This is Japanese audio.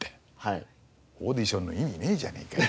オーディションの意味ねえじゃねえかよと。